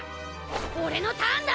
俺のターンだ。